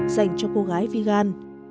dành cho cô gái vigan